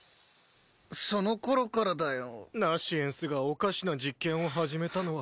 その頃からだよナシエンスがおかしな実験を始めたのは